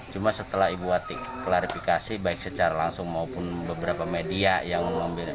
cuma setelah ibu watik klarifikasi baik secara langsung maupun beberapa media yang mengambil